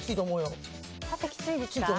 縦きついですか。